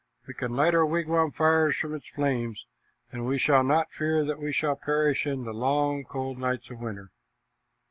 We can light our wigwam fires from its flames, and we shall not fear that we shall perish in the long, cold nights of winter."